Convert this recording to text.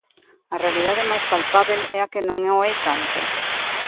A realidade máis palpábel e a que non o é tanto.